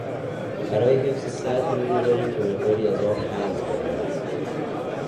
برای حفظ سد، میگذاریم که مقداری از آب هرز برود.